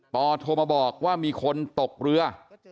โทรมาบอกว่ามีคนตกเรือ